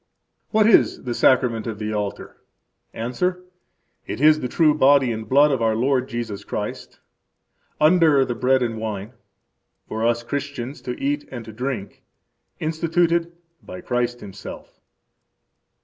What is the Sacrament of the Altar? –Answer: It is the true body and blood of our Lord Jesus Christ, under the bread and wine, for us Christians to eat and to drink, instituted by Christ Himself.